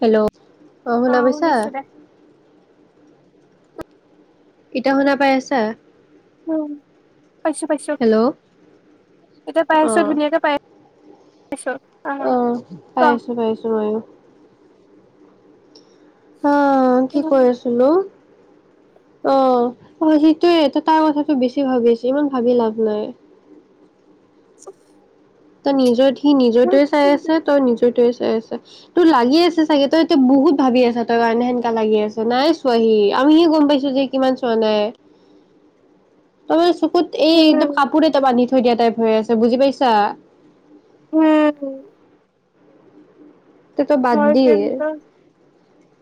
Hello, অ', শুনা পাইছা? শুনিছো দে এতিয়া, শুনা পাই আছা? উম, পাইছোঁ, পাইছোঁ। হেল্ল' এতিয়া পাই অ আছোঁ, ধুনীয়াকে পাই আ পাইছোঁ। অ', পাই আছোঁ, পাই আছোঁ ময়ো। হ, কি উম কৈ আছিলোঁ? অ', সেইটোয়ে। তাই কথাটো বেছি ভাবি আছে, ইমান ভাবি লাভ নাই। [inaudible] ত' নিজৰ সি নিজৰতোয়ে চাই আছে, তই নিজৰতোয়ে চাই আছে। তোৰ লাগি আছে চাগে তই এতিয়া বহুত ভাবি আছা তই কাৰণে সেনেকা লাগি আছ নাই [unintelligible] আমিহে গম পাইছোঁ যে কিমান চোৱা নাই। তই চকুত এই একদম উম কাপোৰে এটা বান্ধি থৈ দিয়া টাইপ হৈ আছে, বুজি পাইছা? উম। তো বাদ হয় দিয়ে কিন্তু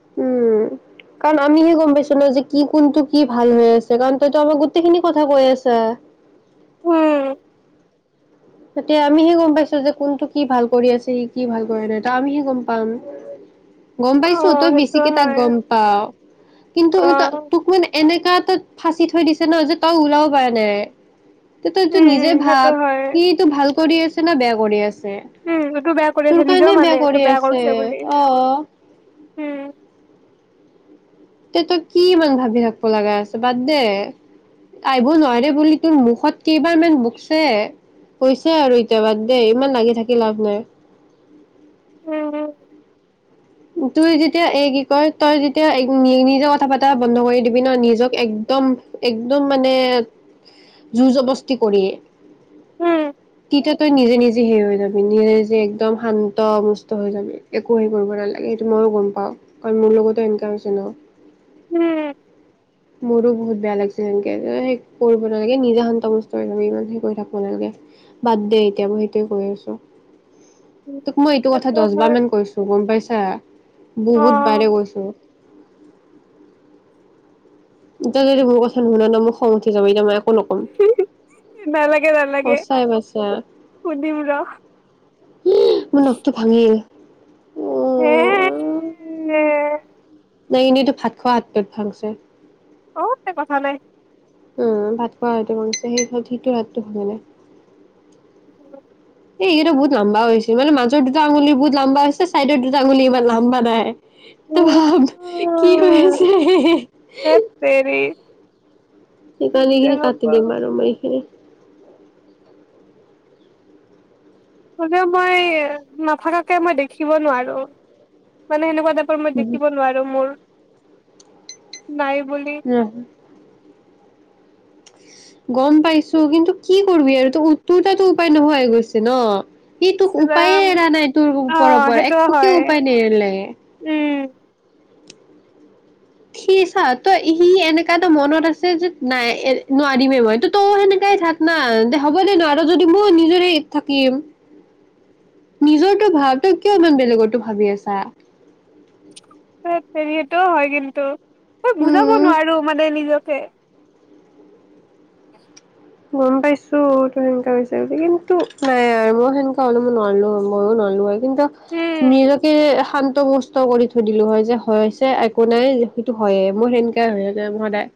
[unintelligible] কাৰণ আমিহে গম পাইছো ন যে কি কোনটো কি ভাল হৈ আছে কাৰণ তইতো আমাক গোটেইখিনি কথা কৈ আছা। উম তায়া আমিহে গম পাইছো যে কোনটো কি ভাল কৰি আছে সি কি ভাল কৰি নাই ত আমিহে গম পাম। [unintelligible] গম পাইছো তই সেইটো বেছিকে তাক হয় গম পাও অ কিন্তু ত তোক মানে এনেকা তাত ফাঁচি থৈ দিছে ন যে তই ওলাব পৰা নাই ত তইতটো উম নিজে উম সেইটো ভাব হয় টো ভাল কৰি আছে ন বেয়া কৰি আছে। উম এইটো বেয়া কৰি তোৰ আছে নিজেও কাৰণে মানে বেয়া এইটো কৰি আছে কৰিছে বুলি অ'। উম তে তই কি ইমান ভাবি থাকিব লাগা আছে বাদ দে। আহিব নোৱাৰে বুলি তোৰ মুখত কেইবাৰ মান বুকছে। কৈছে আৰু এতিয় বাদ দেই ইমান লাগি থাকি লাভ নাই। উম তই যেতিয়া এই কি কয় তই যেতিয়া নি নিজে কথা পতা বন্ধ কৰি দিবি ন নিজক একদম একদম মানে জোৰ জবস্তি কৰিয়ে উম তই নিজে নিজে হেই হৈ যাবি নিজে নিজে একদম শান্তমুষ্ট হৈ যাবি একো হেইৰি কৰিব নালাগে এইটো মইয়ো গম পাও কাৰণ মোৰ লগতো এনেকা হৈছে ন উম মোৰো বহুত বেয়া লাগিছে তেনেকে সেই কৰিব নালাগে নিজে শান্তমুষ্ট্ত হৈ লে ইমান সেই কৰি থাকিব নালাগে বাদ দে এতিয়া মই সেইটোৱে কৈ আছো। উম তোক মই এইটো কথা সেইটো দহ হয় বাৰ মান কৈছো গম পাইছা অ বহুত বাৰে কৈছো এতিয়া যদি মোৰ কথা নুশুনা মোক খং উঠ যাব এতিয়া নালাগে নালাগে অ চাই পাইছা। সুধিম ৰ উ মোৰ নখটো ভাঙিল। হে অ এ নাই এনেইতো ভাত খোৱা হাত পেট ভাংছে বহুত তে কথা নাই উ ভাত খোৱাটো বনছে সেই সেইটো ৰাটো হয় নে। উ [unintelligible] এইকেইটা বহুত লম্বা হৈছিল মানে মাজৰ দুটা আঙুল বহুত লম্বা হৈছে ছাইদৰ দুটা আঙুলি ইমান লাম্বা নাই। তো উম, ভাব কি হৈছে চেৰি সেইকাৰণে এইখিনি কাটি দিম আৰু মই এইখিনি মই নাফাকাকে মই দেখিব নোৱাৰো মানে সেনেকুৱা মই দেখিব এইখিনি নোৱাৰো মোৰ নাই বুলি উ [unintelligible] গম পাইছো কিন্তু কি কৰিবি আৰু ত উ্তোৰ তাতো উপায় নোহোৱাই গৈছে ন। ই তোক কিবা উপায়ে এৰা নাই তোৰ ওপৰ অ' পৰা সেইটো একোকে হয়, উপায় নে এৰি লাগে। উম। সি চা তই সি এনেকা তো মনত আছে যে নাই নোৱাৰিমেই মই ত' তয়ো সেনেকাই থাক। নাই দে হ'ব দে নো আৰু যদি মই নিজৰে থাকিম। [inaudible] নিজৰটো ভাৱ তই কিয় ইমান বেলেগৰটো ভাবি আছা? ধেৎ তেৰি সেইটোও হয় কিন্তু মই বুজাব উম নোৱাৰো মানে নিজকে। [unintelligible] গম পাইছো তোৰ সেনেকা হৈছে কিন্তু নাই আৰু মই সেনেকা হ'লে মই নোৱাৰলো মইও নোৱাৰলো হয়। কিন্তু উম, নিজকে শান্ত সুষ্ঠ কৰি থৈ দিলো হয় যে হৈছে একো নাই সেইটো হয়ে মই সেনেকাই হয় সদায়।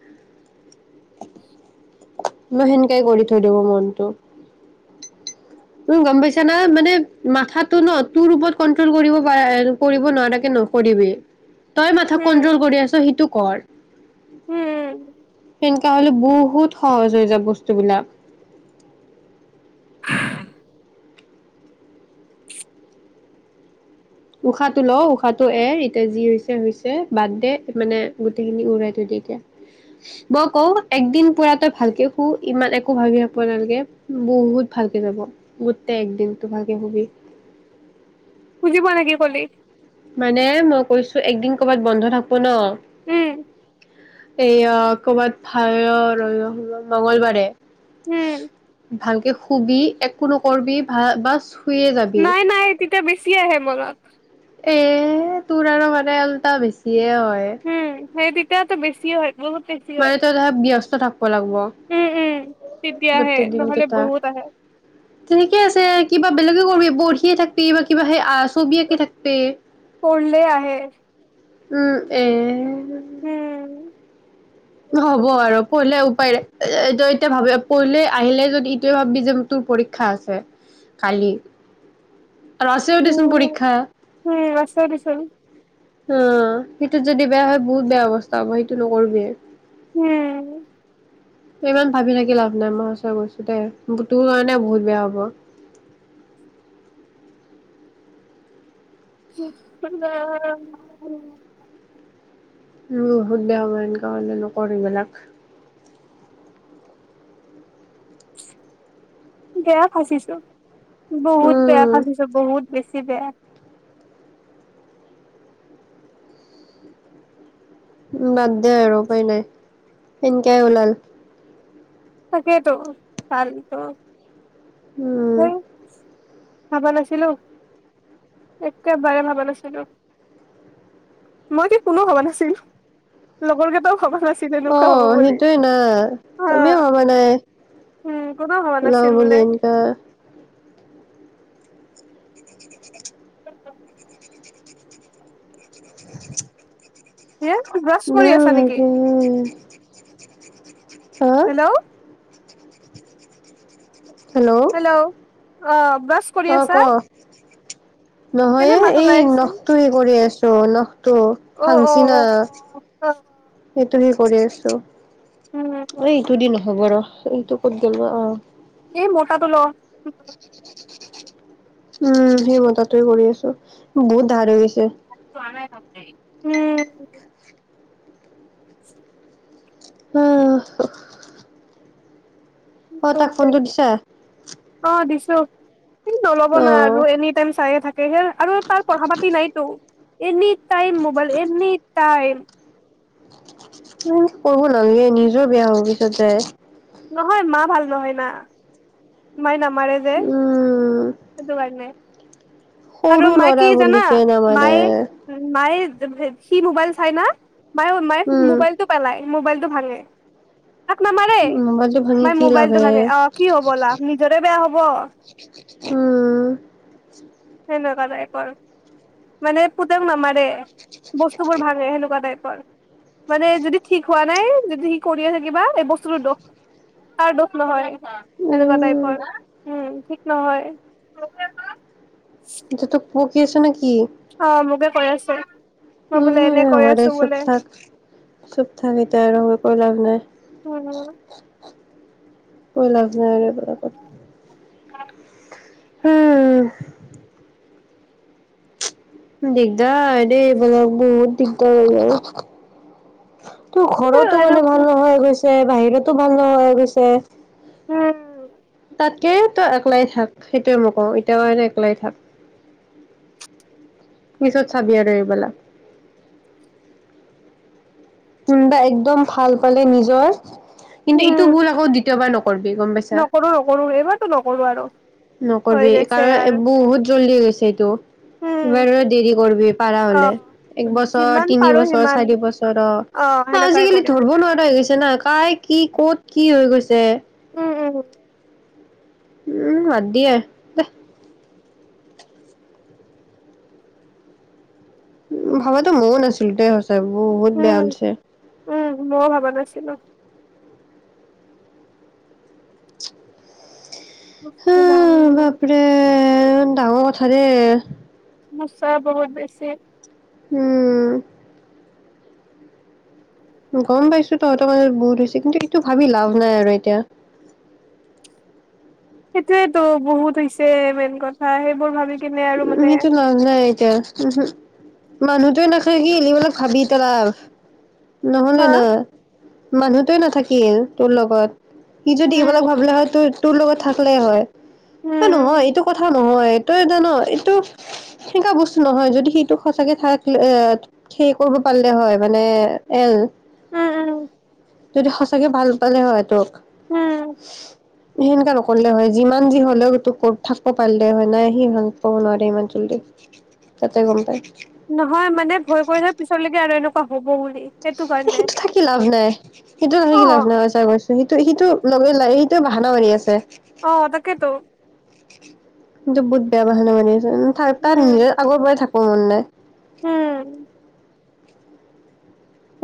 মই সেনেকাই কৰি থৈ দিও মনটো। [inaudible] তুমি গম পাইছা না, মানে মাথাটো ন তোৰ ওপৰত কন্ট্ৰল কৰিব পাৰা- কৰিব নোৱাৰাকে নকৰিবি। [inaudible] তই মাথাক কন্ট্ৰল উম, কৰি আছা সেইটো কৰ। উম। তেনেকা হ'লে বহুত সহজ হৈ যায় বস্তুবিলাক। [unintelligible] উশাহটো ল উশাহটো এ, ৰ এতিয়া যি হৈছে হৈছে বাদ দে মানে গোটেইখিনি উৰাই থৈ দে এতিয়া। মই কও একদিন পুৰা তই ভালকে শু ইমান একো ভাবি থাকিব নালাগে। বহুত ভালকে যাব। গোটেই একদিনটো ভালকে শুবি। বুজি পোৱা নাই কি কলি। মানে মই কৈছো একদিন কবাত বন্ধ থাকিব ন। উম। এইয়া কবাত [unintelligible] মঙ্গলবাৰে। উম। ভালকে শুবি একো নকৰবি ভাল বাচ নাই নাই তেতিয়া বেছি আহে মনত। এ তোৰ আৰু মানে উল্টা বেছিয়ে হয়। উম' সেই তেতিয়াাত বেছি হয় বহুত। হয়। মানে ত ধৰা ব্যস্ত থাকিব লাগিব উম উম তেতিয়াহে গোটেই নহ'লে দিনকেইটা। বহুত আহে তেনেকে আছে কিবা বেলেগে কৰিবি বহিয়ে থাকিবি বা কিবা [unintelligible] ছবি আঁকি থাকবি পঢ়লে আহে উম এ। উম। হ'ব আৰু পঢ়িলে উপায় নাই। এতিয়া ভাবি পঢ়িলে আহিলে যদি ইটোৱে ভাববি যে- তোৰ পৰীক্ষা আছে কালি আৰু আছেও দেচোন উম পৰীক্ষা। উম আছে দেচোন। অ' সেইটোত যদি বেয়া হয় বহুত বেয়া অৱস্থা হ'ব সেইটো নকৰিবিয়ে। উম। ইমান ভাবি থাকি লাভ নাই মই ওচৰত কৈছো দেই তোৰ কাৰণে বহুত বেয়া হ'ব। [unintelligible] উ বহুত বেয়া হ'ব। এনেকুৱা নকৰিবি এইবিলাক। বেয়া ফাচিছো, বহুত বেয়া উম ফাচিছো, বহুত বেছি বেয়া। উম বাদ দে আৰু উপায় নাই সেনকাই ওলাল। তাকেইতো ফালতো। উম। কোন ভাবা নাছিলোঁ। একেবাৰে ভাবা নাছিলোঁ। মই কি কোনেও ভাবা নাছিল লগৰ কেইটাও ভাবা নাছিল। এনেকুৱা হ'ব অ', বুলি সেইটোয়ে না হা আমিও ভাবা নাই। উম কোনেও ভবা লওঁ নাছিল বুলি বোলে এনকা। [inaudible] হে ব্ৰাছ [inaudible] কৰি আছা নেকি হেল্ল' [inaudible] হেল্ল'। হেল্ল' অ' বাছ অ', ক কেনে নহয়ে মাত এই ওলাই আহিছে নখ টো হেৰি কৰি আছো নখটো অ অ ভাংচিনা। অ'। সেইটো হে কৰি আছ, উম এই ইটো দি নহ'ব ৰ'হ এইটো ক'ত গ'ল বা অ'। এই মতাটো ল'। উম, সেই মতাটোয়ে কৰি আছো বহুত ধাৰ হৈ গৈছে। উম। [inaudible] অহ। অ', তাক ফোনটো দিছা? অ', দিছো কিন্তু নল'ব অ না আৰু এনি টাইম চায়ে থাক আৰু তাৰ পঢ়া পাতি নাইতো any time mobile any time. তেনকে কৰিব নালাগে নিজৰ বেয়া হ'ব পিছত যায়। নহয় মা ভাল নহয় না। মায়ে নামাৰে যে উম সেইটো কাৰণে। আৰু সৰু মাই ল'ৰা কি বুলি জানা কে নামানে মায়ে মায়ে সি মোবাইল চাই না মায়ে মায়ে উম মোবাইলটো পেলাই মোবাইলটো ভাঙে। তাক নামাৰে মোবাইলটো ভাঙি মায়ে কি লাভ মোবাইলটো হে ভাগে অ' কি হ'ব লাভ নিজৰে বেয়া হ'ব। উম। সেনেকুৱা টাইপৰ মানে পুতেক নামাৰে। বস্তুবোৰ ভাঙে সেনেকুৱা টাইপৰ। মানে যদি ঠিক হোৱা নাই যদি সি কৰিয়ে থাকিবা এই বস্তুটো দোষ তাৰ দোষ নহয়। সেনেকুৱা উম টাইপৰ উম ঠিক নহয়। এতিয়া তোক বকি আছেনে কি? অ', মোকে কয় আছে। মই বোলে উম, এনে কৈ হয় দে আছো চুব বোলে থাক। চুপ থাক এতিয়া আৰু কৈ লাভ নাই। উম কয় লাভ নাই আৰু এইবিলাকক। [inaudible] দিগদাৰ দে এইবিলাক বহুত দিগদাৰ হৈ যায়। তোৰ ঘৰতো এনে মানে ভাল নহয় গৈছে বাহিৰতো ভাল নহয়ে গৈছে। উম। তাতকে তই একলাই থাক সেইটোৱে মই কওঁ এতিয়াৰ কাৰণে একলাই থাক। পিছত চাবি আৰু এইবিলাক। কোনবা একদম ভাল পালে নিজৰ কিন্তু এইটো ভূল আকৌ দ্বিতীয়বাৰ নকৰিবি গম পাইছ নকৰোঁ নকৰোঁ, এইবাৰটো নকৰোঁ আৰু। হৈ নকৰিবি গৈছে আৰু কাৰণ বহুত জল্দি গৈছে এইটো। উম ইবাৰ আৰু দেৰি কৰিবি পাৰা অ হ'লে, এক বছৰ, যিমান তিনি পাৰো বছৰ, সিমান চাৰি বছৰ। অ সেনেকুৱাই আজিকালি কৰিম ধৰিব নোৱাৰা হৈ গৈছে না! কাই কি ক'ত কি হৈ গৈছে। উম্ উম্। উম্, হয় দিয়া। উম্, ভবাতো ময়ো নাছিলোঁ, তে সঁচাই বহুত বেয়া ওলছে। উম্ মইয়ো ভবা নাছিলোঁ। [inaudible] যাওঁ। এই ডাঙৰ কথা দেই। মুচা বহুত বেছি। উম্। গম পাইছোঁ, তহঁতৰ মাজত বহুত হৈছে কিন্তু এইটো ভাবি লাভ নাই আৰু এতিয়া। সেইটোয়েতো বহুত হৈছে, মেইন কথা সেইবোৰ ভাবি কিনে আৰু উম্, মানে সেইটো লাজ নাই। এতিয়া, মানুহটোৱে নাখায়। কি এনে বিলাক ভাঙি পেলাল। নহ'লে হা নাই, মানুহটোৱে নাথাকিল তোৰ লগত। সি যদি এইবিলাক উম ভাবিলে হয়, ত তোৰ লগত থাকিলে হয়। এ উম নহয়, এইটো কথা নহয়। তই জান এইটো সেনেকুৱা বস্তু নহয়, যদি সিটো সঁচাকে থাকে এ সেই কৰিব পাৰিলে হয়, মানে এল উম্, উম্। যদি সঁচাকে ভাল পালে হয় তোক। উম সেনেকা নকৰিলে হয়, যিমান যি হ'লেও ক'ত থাকিব পাৰিলে হয়। নাই সি ক'ব নোৱাৰে ইমান যল্দি, তাতে গম পায়। নহয় মানে ভয় কৰিলে পিছৰলৈকে আৰু এনেকুৱা হ'ব বুলি। এ সেইটো থাকি লাভ নাই, সেইটো অ থাকি লাভ নাই সঁচা কৈছোঁ। সিটো, সিটো লগে ল সিটো বাহানা মাৰি আছে। অ', তাকেইতো। কিন্তু বহুত বেয়া বাহানা মাৰি আছে। তাত উম নিজৰ আগৰ পৰাই থাকিব মন নাই। উম্।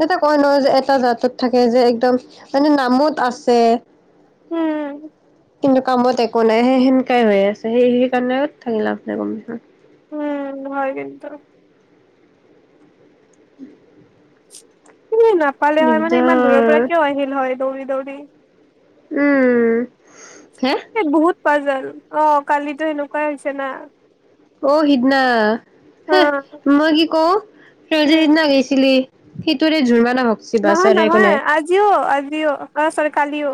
এটা কয় নহয় যে এটা জাতত থাকে যে, একদম মানে নামত আছে। উম্। কিন্তু কামত একো নাই, সেই সেনকাই হৈ আছে। সেই কাৰণেও থাকি লাভ নাই গম পাইছ। উম্, হয় কিন্তু। শুনি নাপালেও হয়, মানে ইমান দূৰৰ দিগদাৰ পৰা কিয় আহিল হয় দৌৰি দৌৰি। উম্, হা। এই বহুত পাজেল। অ', কালিতো সেনেকুৱাই হৈছে না। অ', সিদিনা। অ' হে মই কি কওঁ, তই যে উম। সিদিনা গৈছিলি। সেইটোৰে জোৰমা নওক। নহয় নহয়, আজিও আজিও। অ', চৰি কালিও।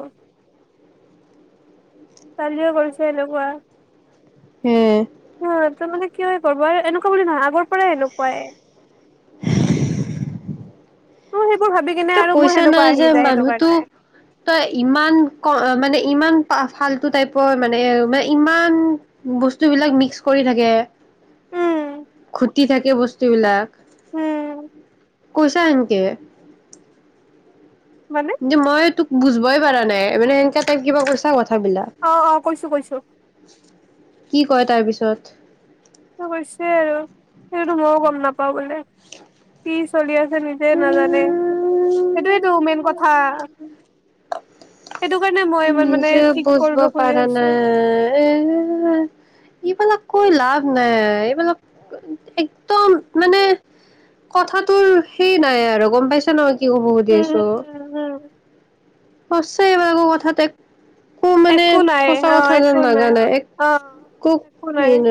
কালিযও কৰিছে এনেকুৱা। হে। অ', তাৰ মানে কি হয়, বৰবাৰ এনেকুৱা বুলি নহয়, আগৰ পৰাই এনেকুৱাই। হি হি হি হি হু হু হু হু। তো সেইবোৰ ভাবি কিনে আৰু মোৰ সেনেকুৱা নাই যে আহি যায় সেইটো মানুহটো কাৰণে। তই ইমান ক মানে ইমান পা ফালতু টাইপৰ মানে মান ইমান বস্তু বিলাক মিক্স কৰি থাকে। উম খুটি থাকে বস্তু বিলাক উম কৈছা এন কে। মানে কিন্তু মই তোক বুজবই পাৰা নাই মানে সেনেকে তাই কিবা কৈছা কথাবিলাক। অ' অ' কৈছো কৈছো। কি কয় তাৰ পিছত? তো কৈছে আৰু সেইটো মইয়ো গম নাপাওঁ বোলে কি চলি আছে নেকি হে নাজানে। সেইটোৱেইটো মেইন কথা সেইটো কাৰণে মই তো নিজে বুজব পাৰা নাই এ এ এ এ এ। এইবিলাক কৈ লাভ নাই এইবিলাক কৰো নিয়ে একদম মানে কথাটোৰ সেই নাই আৰু গম পাইছা ন কি কব সুধি উম আছো? উম উম সঁচাই এইবিলাকৰ কথাত এক একো মানে একো নাই অ সঁচা কথা একো যেন নাই নাজানে এক অ কোক একো নাই এই ন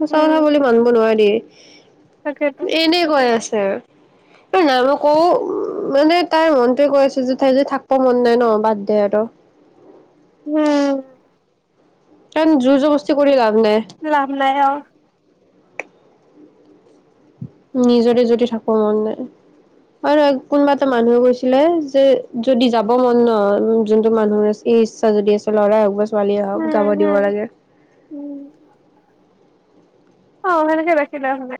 সঁচা উম কথা বুলি মানিব নোৱাৰে দে ই ই ই ই। তাকেতো এনে কৈ আছে আৰু এই নাব কো মানে তাই মনটোৱে কৈ আছে যে তাই যে থাক তাৰ মন নাই ন বাদ দে আৰু ত' নাম কাৰণ জোৰ-জবস্তি কৰি লাভ নাই। লাভ নাই অ'। নিজৰে যদি থাকবো মন নাই। হয় নহয় কোনোবা এটা মানুহে কৈছিলে যে যদি যাব মন ন যোনটো মানুহৰ আছ ইচ্ছা যদি আছে ল'ৰাই হওক বা ছোৱালীয়ে হওক যাব উম দিব হম লাগে। উম উ উ, অ সেনেকে ৰাখিলে হ'লে।